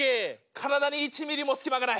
体に１ミリも隙間がない。